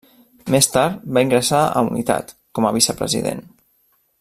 Més tard, va ingressar a Unitat, com a vicepresident.